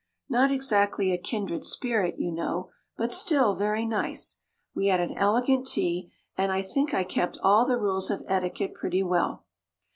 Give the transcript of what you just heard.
Not exactly a kindred spirit, you know, but still very nice. We had an elegant tea, and I think I kept all the rules of etiquette pretty well.